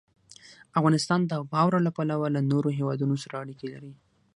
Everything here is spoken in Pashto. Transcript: افغانستان د واوره له پلوه له نورو هېوادونو سره اړیکې لري.